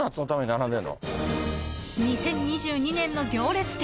［２０２２年の行列店］